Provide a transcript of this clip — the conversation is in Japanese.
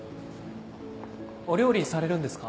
お料理されるんですか？